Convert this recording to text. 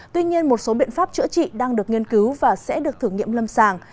tuy nhiên một số biện pháp chữa trị đang được nghiên cứu và sẽ được thử nghiệm lâm sàng